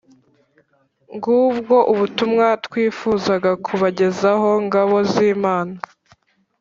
ngubwo ubutumwa twifuzaga kubagezaho, ngabo z'igihugu